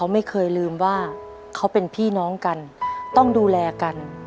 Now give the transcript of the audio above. ไม่เคยลืมว่าเขาเป็นพี่น้องกันต้องดูแลกัน